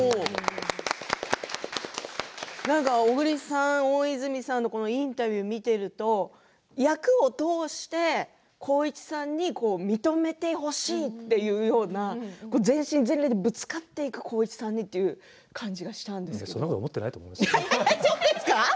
なんか小栗さん、大泉さんのインタビューを見ていると役を通して浩市さんに認めてほしいというような全身全霊でぶつかっていく浩市さんにそんなこと思ってないですよ。